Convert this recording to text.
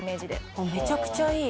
あっめちゃくちゃいい。